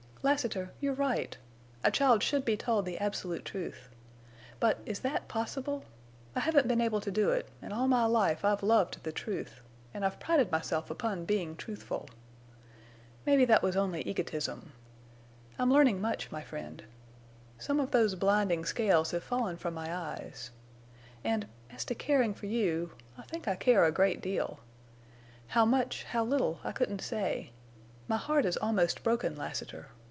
"Lassiter, you're right. A child should be told the absolute truth. But—is that possible? I haven't been able to do it, and all my life I've loved the truth, and I've prided myself upon being truthful. Maybe that was only egotism. I'm learning much, my friend. Some of those blinding scales have fallen from my eyes. And—and as to caring for you, I think I care a great deal. How much, how little, I couldn't say. My heart is almost broken, Lassiter.